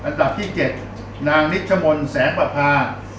๗นางนิชมนต์แสงประพา